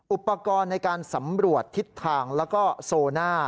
อุปกรณ์ในการสำรวจทิศทางแล้วก็โซน่า